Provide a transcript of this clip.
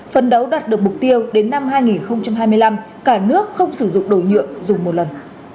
phấn đấu đạt được mục tiêu đến năm hai nghìn hai mươi năm cả nước không sử dụng đồ nhựa dùng một lần